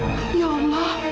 tuhan saya membelajarkan